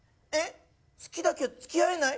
好きだけど、付き合えない。